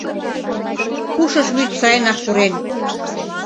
Пушыш вӱд сайынак пурен.